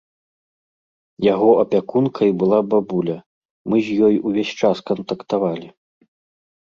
Яго апякункай была бабуля, мы з ёй увесь час кантактавалі.